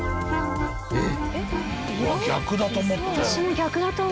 えっ！